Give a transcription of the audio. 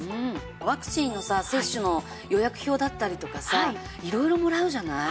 ワクチンの接種の予約表だったりとかさ色々もらうじゃない？